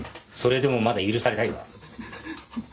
それでもまだ許されたいか？